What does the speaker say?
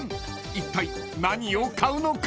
［いったい何を買うのか？］